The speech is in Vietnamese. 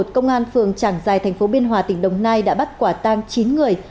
công an phường chẳng dài thành phố biên hòa tỉnh đồng nai đã bắt quả tang chín người